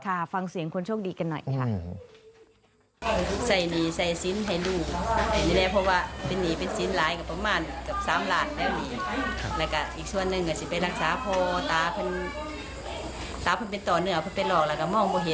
ฟังเสียงคนโชคดีกันหน่อยค่ะ